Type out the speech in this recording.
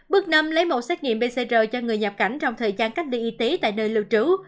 bước năm lấy mẫu xét nghiệm pcr cho người nhập cảnh trong thời gian cách ly y tế tại nơi lưu trú